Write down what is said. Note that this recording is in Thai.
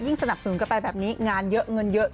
สนับสนุนกันไปแบบนี้งานเยอะเงินเยอะ